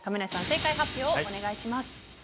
正解発表をお願いします。